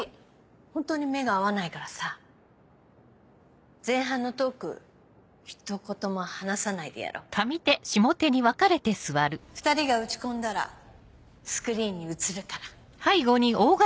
本当に目が合わないか前半のトーク一言も話さないでやろう２人が打ち込んだらスクリーンに映るから。